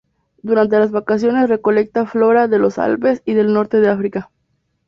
Durante las vacaciones recolecta flora de los Alpes y del norte de África.